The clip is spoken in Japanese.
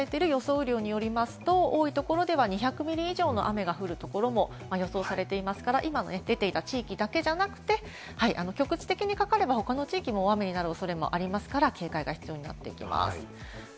雨量によりますと、多いところでは２００ミリ以上の雨が降るところも予想されていますから、今出ていた地域だけじゃなくて、局地的にかかれば他の地域も大雨になる恐れがありますから、警戒が必要になってきます。